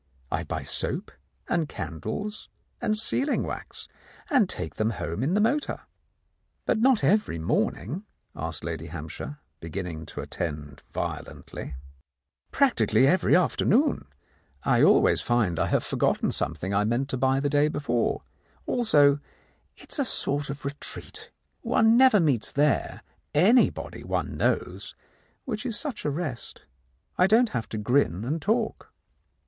I buy soap and candles and sealing wax, and take them home in the motor." "But not every morning?" asked Lady Hamp shire, beginning to attend violently. i5 The Countess of Lowndes Square "Practically every afternoon. I always find I have forgotten something I meant to buy the day before. Also, it is a sort of retreat. One never meets there anybody one knows, which is such a rest. I don't have to grin and talk."